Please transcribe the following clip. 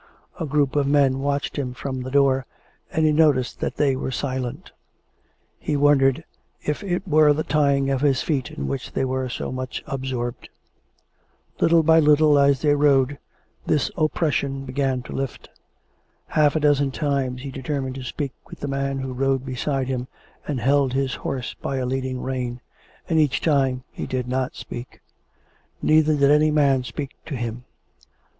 A group of men watched him from the door, and he noticed that they were silent. He wondered if it were the tying of his feet in which they were so much absorbed. Little by little, as they rode, this oppression began to lift. Half a dozen times he determined to speak with the man who rode beside him and held his horse by a leading rein; and each time he did not speak. Neither did any man speak to him.